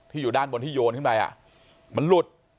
อยู่ด้านบนที่โยนขึ้นไปมันหลุด